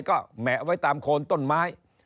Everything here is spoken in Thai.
ก็แหมะไว้ตามโคนต้นไม้